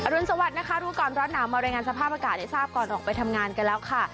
รุนสวัสดินะคะรู้ก่อนร้อนหนาวมารายงานสภาพอากาศให้ทราบก่อนออกไปทำงานกันแล้วค่ะ